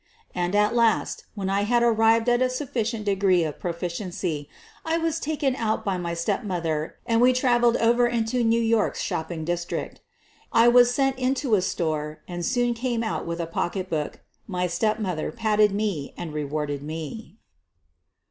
And at last, when I had arrived at a sufficient de gree of proficiency, I was taken out by my step mother and we traveled over into New York's shop ping district. I was sent into a store and soon came out with a pocketbook — my stepmother petted me and rewarded me.